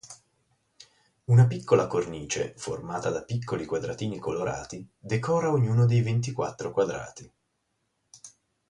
Una piccola cornice, formata da piccoli quadratini colorati, decora ognuno dei ventiquattro quadrati.